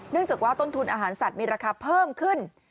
จากว่าต้นทุนอาหารสัตว์มีราคาเพิ่มขึ้น